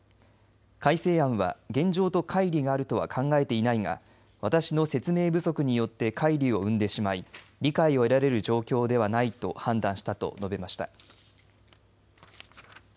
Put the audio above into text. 改正案は現状とかい離があるとは考えていないが私の説明不足によってかい離を生んでしまい理解を得られる状況ではないと判断したと述べました。